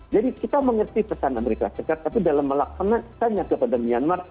jadi kita mengerti pesan amerika serikat tapi dalam melaksanakan hanya kepada myanmar